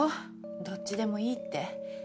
どっちでもいいって。